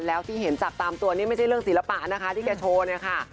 แล้วที่เห็นจากตามตัวนี้ไม่ใช่เรื่องศิลปะนะคะที่แกโชว์เนี่ยค่ะ